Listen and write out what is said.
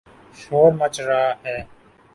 شور مچ رہا ہے۔